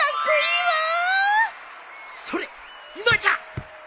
それ今じゃ！